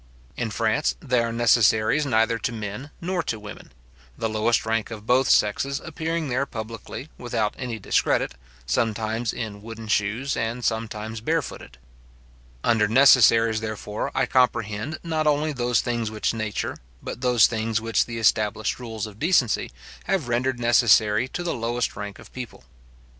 In France, they are necessaries neither to men nor to women; the lowest rank of both sexes appearing there publicly, without any discredit, sometimes in wooden shoes, and sometimes barefooted. Under necessaries, therefore, I comprehend, not only those things which nature, but those things which the established rules of decency have rendered necessary to the lowest rank of people.